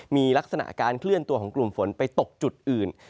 มีลักษณะการเคลื่อนตัวของกลุ่มฝนไปตกจุดอื่น